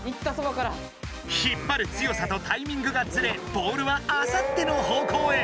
引っ張る強さとタイミングがずれボールはあさっての方向へ。